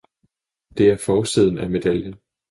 Det er forsiden af medaljen.